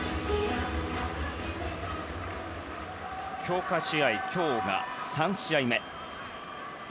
強化試合、今日が３試合目。